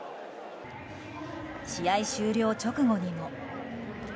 試合終了直後にも。